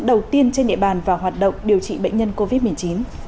đầu tiên trên địa bàn vào hoạt động điều trị bệnh nhân covid một mươi chín